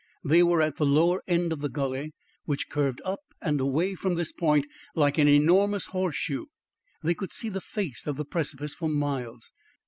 They were at the lower end of the gully which curved up and away from this point like an enormous horseshoe. They could see the face of the precipice for miles.